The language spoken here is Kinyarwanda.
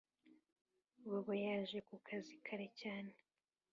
bobo yaje ku kazi kare cyane